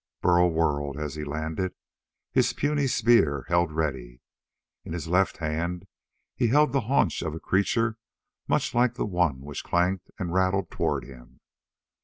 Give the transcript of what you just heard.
Burl whirled as he landed, his puny spear held ready. In his left hand he held the haunch of a creature much like the one which clanked and rattled toward him.